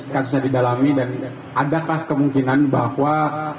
kasusnya didalami dan adakah kemungkinan bahwa